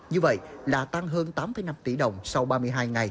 như vậy là tăng hơn tám năm tỷ đồng sau ba mươi hai ngày